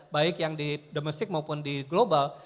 baik yang di domestik maupun di global